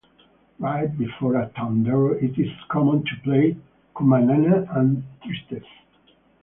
Right before a tondero it is common to play cumanana and tristes.